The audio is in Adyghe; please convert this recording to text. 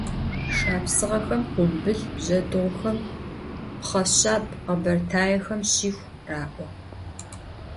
Şşapsığexem khumbıl, bzjedığuxem – pxheşsab, khebertaêxem – şixu ra'o.